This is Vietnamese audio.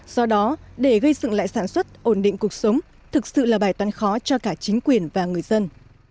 do đó để gây dựng lại sản xuất ổn định cuộc sống thực sự là bài toán khó cho cả chính quyền và người dân